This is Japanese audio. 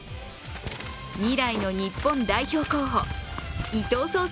未来の日本代表候補、伊藤颯亮